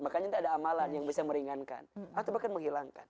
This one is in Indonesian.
makanya tidak ada amalan yang bisa meringankan atau bahkan menghilangkan